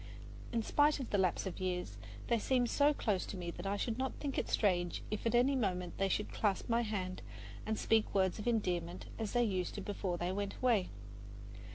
In spite of the lapse of years, they seem so close to me that I should not think it strange if at any moment they should clasp my hand and speak words of endearment as they used to before they went away.